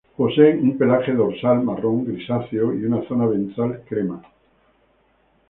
Poseen un pelaje dorsal marrón grisáceo, y una zona ventral crema.